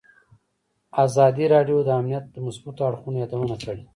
ازادي راډیو د امنیت د مثبتو اړخونو یادونه کړې.